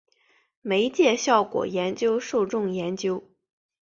媒介效果研究受众研究